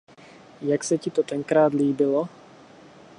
Jak se ti to tenkrát líbilo?